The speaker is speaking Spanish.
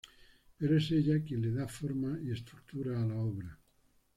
Pero es ella quien le da forma y estructura a la obra.